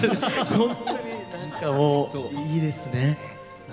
本当に何かもういいですね。